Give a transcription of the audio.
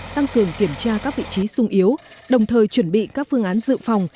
tăng cường kiểm tra các vị trí sung yếu đồng thời chuẩn bị các phương án dự phòng